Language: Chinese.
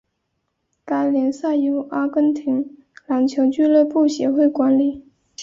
该联赛由阿根廷篮球俱乐部协会管理。